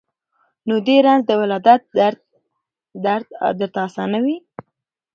نو دي رنځ د ولادت درته آسان وي